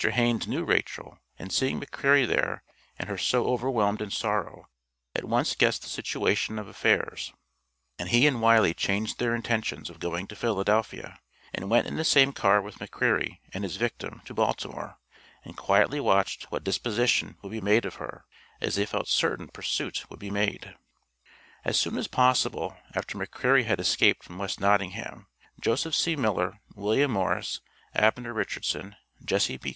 Haines knew Rachel, and seeing McCreary there, and her so overwhelmed in sorrow, at once guessed the situation of affairs, and he and Wiley changed their intentions of going to Philadelphia, and went in the same car with McCreary and his victim, to Baltimore, and quietly watched what disposition would be made of her, as they felt certain pursuit would be made. As soon as possible, after McCreary had escaped from West Nottingham, Joseph C. Miller, William Morris, Abner Richardson, Jesse B.